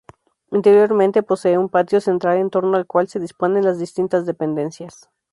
Interiormente posee un patio central en torno al cual se disponen las distintas dependencias.